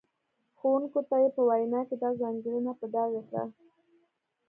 ښوونکو ته یې په وینا کې دا ځانګړنه په ډاګه کړه.